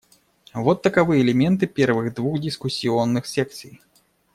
Вот таковы элементы первых двух дискуссионных секций.